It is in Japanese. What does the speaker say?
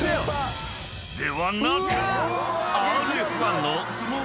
［ではなく］